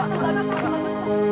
atu bagus atu bagus pak